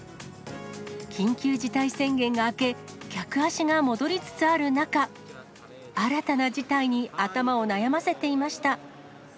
緊急事態宣言が明け、客足が戻りつつある中、新たな事態に頭を悩ませていました。